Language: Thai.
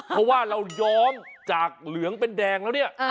เพราะว่าเราย้อมจากเหลืองเป็นแดงแล้วเนี่ย